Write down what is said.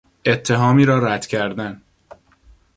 اتهامی را رد کردن